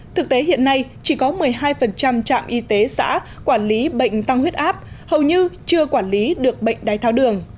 thực tế hiện nay chỉ có một mươi hai trạm y tế xã quản lý bệnh tăng huyết áp hầu như chưa quản lý được bệnh đái tháo đường